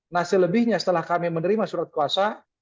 nah selebihnya setelah kami menerima surat kuasa